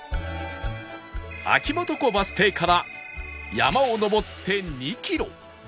秋元湖バス停から山を登って２キロ